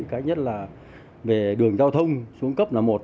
cái nhất là về đường giao thông xuống cấp là một